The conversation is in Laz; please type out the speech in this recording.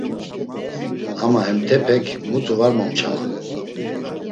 Ama hentepek mutu var momçaman.